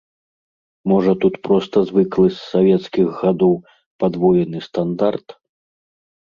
Можа тут проста звыклы з савецкіх гадоў падвоены стандарт?